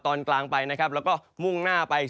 ตอนกลางไปนะครับแล้วก็มุ่งหน้าไป